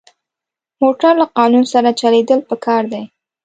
موټر له قانون سره چلېدل پکار دي.